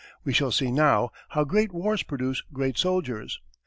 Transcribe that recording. We shall see now how great wars produce great soldiers.